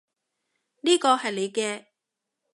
呢個係你嘅